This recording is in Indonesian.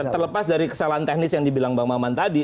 terlepas dari kesalahan teknis yang dibilang bang maman tadi